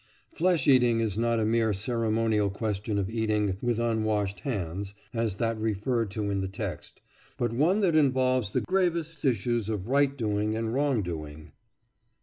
Flesh eating is not a mere ceremonial question of eating "with unwashed hands," as that referred to in the text, but one that involves the gravest issues of right doing and wrong doing.